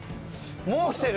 もう来てる。